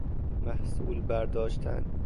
محصول برداشتن